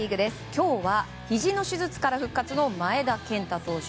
今日はひじの手術から復活の前田健太投手